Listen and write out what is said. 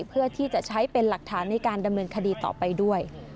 เพื่อที่จะใช้เป็นหลักฐานในการดำเนินคดีต่อไปด้วย